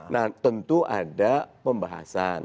nah tentu ada pembahasan